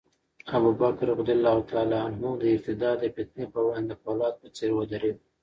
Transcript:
ابوبکر رض د ارتداد د فتنې پر وړاندې د فولاد په څېر ودرېد.